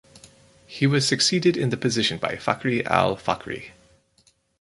He was succeeded in the position by Fakhri Al Fakhri.